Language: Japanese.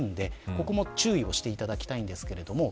ここも注意をしていただきたいです。